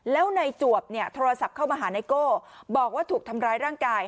แล้วนายจวบเนี่ยโทรศัพท์เข้ามาหาไนโก้บอกว่าถูกทำร้ายร่างกาย